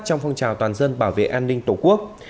trong phong trào toàn dân bảo vệ an ninh tổ quốc